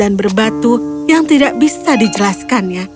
dan berbatu yang tidak bisa dijelaskannya